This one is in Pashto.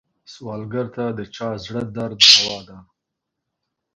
سوالګر ته د چا زړه درد دوا ده